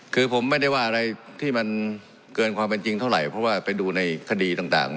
คือผมไม่ได้ว่าอะไรที่มันเกินความเป็นจริงเท่าไหร่เพราะว่าไปดูในคดีต่าง